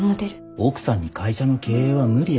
奥さんに会社の経営は無理や。